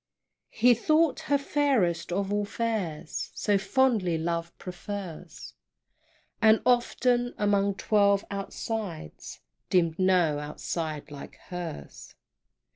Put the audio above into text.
He thought her fairest of all fares, So fondly love prefers; And often, among twelve outsides, Deemed no outside like hers!